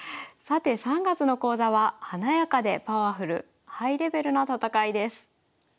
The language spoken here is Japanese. さて３月の講座は「華やかでパワフルハイレベルな戦い」です。